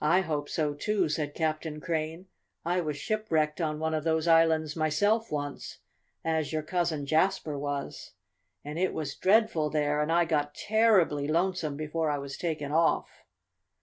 "I hope so, too," said Captain Crane. "I was shipwrecked on one of those islands myself, once, as your Cousin Jasper was. And it was dreadful there, and I got terribly lonesome before I was taken off."